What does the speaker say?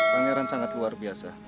pangeran sangat luar biasa